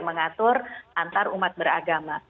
mengatur antar umat beragama